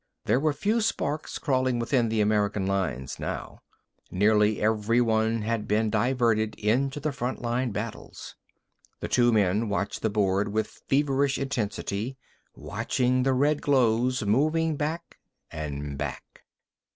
There were few sparks crawling within the American lines now. Nearly every one had been diverted into the front line battles. The two men watched the board with feverish intensity, watching the red glows moving back, and back....